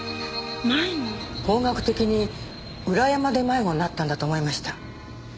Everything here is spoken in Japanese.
方角的に裏山で迷子になったんだと思いました。